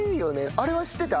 あれは知ってた？